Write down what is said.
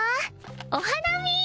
お花見！